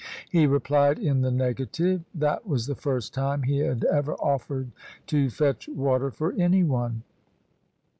He replied in the negative. That was the first time he had ever offered to fetch water for any one.